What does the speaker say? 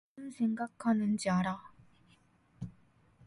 무슨 생각하는지 알아.